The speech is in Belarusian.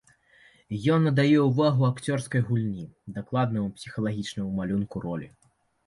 Ён надае ўвагу акцёрскай гульні, дакладнаму псіхалагічнаму малюнку ролі.